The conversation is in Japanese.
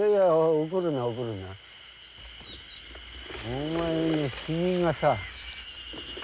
お前のヒゲがさ。